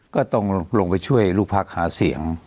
ก็ต้องลงไปช่วยลูกพักหาเสียง